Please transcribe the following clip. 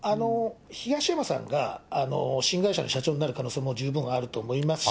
東山さんが新会社の社長になる可能性も十分あると思いますし。